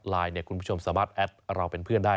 คุณผู้ชมสามารถแอดเราเป็นเพื่อนได้